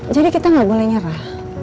jadi kita gak boleh nyerah